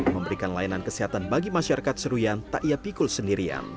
memberikan layanan kesehatan bagi masyarakat seruyan tak ia pikul sendirian